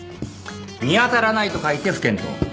見当たらないと書いて不見当。